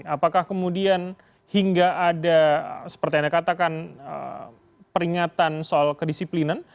apakah kemudian hingga ada peringatan soal kedisiplinan